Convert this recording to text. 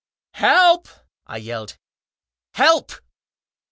help ! n I yelled. " Help